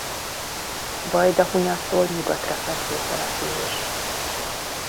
Vajdahunyadtól nyugatra fekvő település.